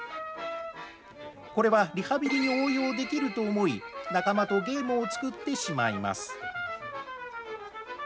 これは、リハビリに応用できると思い、仲間とゲームを作ってしまいます。